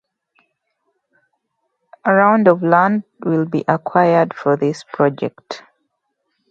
Around of land will be acquired for this project.